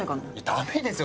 ダメですよ